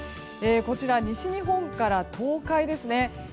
こちら、西日本から東海ですね。